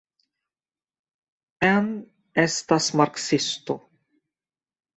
Anne estas marksisto.